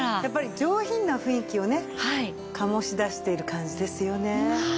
やっぱり上品な雰囲気をね醸し出している感じですよね。